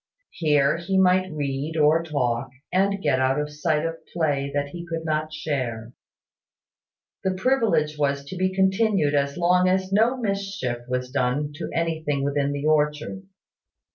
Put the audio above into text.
Here he might read, or talk, and get out of sight of play that he could not share. The privilege was to be continued as long as no mischief was done to anything within the orchard.